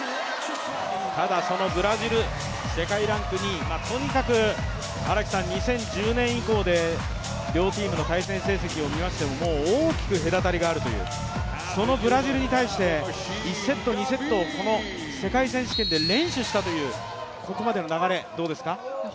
ただそのブラジル、世界ランク２位、とにかく２０１０年以降で両チームの対戦成績を見ましてももう大きく隔たりがあるという、そのブラジルに対して１セット、２セットをこの世界選手権で連取したというここまでの流れ、どうですか。